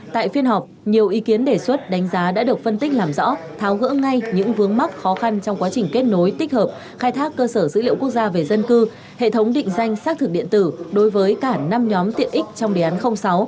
tại phiên họp nhiều ý kiến đề xuất đánh giá đã được phân tích làm rõ tháo gỡ ngay những vướng mắc khó khăn trong quá trình kết nối tích hợp khai thác cơ sở dữ liệu quốc gia về dân cư hệ thống định danh xác thực điện tử đối với cả năm nhóm tiện ích trong đề án sáu